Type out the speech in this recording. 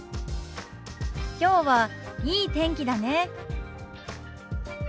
きょうはいい天気だね。